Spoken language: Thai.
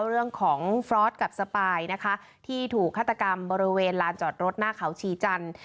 เรื่องของฟรอสกับสปายนะคะที่ถูกฆาตกรรมบริเวณลานจอดรถหน้าเขาชีจันทร์